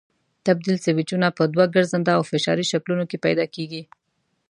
تبدیل سویچونه په دوو ګرځنده او فشاري شکلونو کې پیدا کېږي.